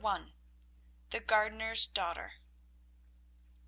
THE GARDENER'S DAUGHTER.